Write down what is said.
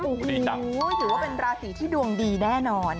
โอ้โหถือว่าเป็นราศีที่ดวงดีแน่นอน